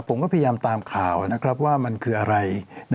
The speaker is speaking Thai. ผมก็พยายามตามข่าวนะครับว่ามันคืออะไร